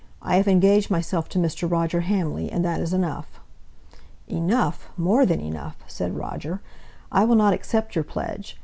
I have engaged myself to Mr. Roger Hamley, and that is enough." "Enough! more than enough!" said Roger. "I will not accept your pledge.